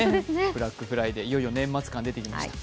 ブラックフライデー、いよいよ年末感が出てきました。